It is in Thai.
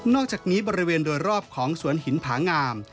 อกจากนี้บริเวณโดยรอบของสวนหินผางาม